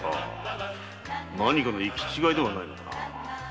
何かの行き違いではないのかな。